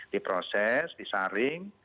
di proses disaring